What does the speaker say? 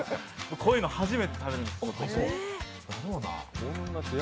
こういうの初めて食べるんですけど。